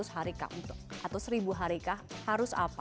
seratus hari kah untuk atau seribu hari kah harus apa